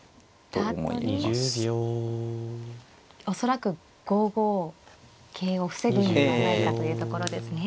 恐らく５五桂を防ぐんではないかというところですね。